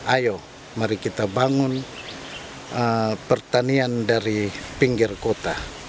ayo mari kita bangun pertanian dari pinggir kota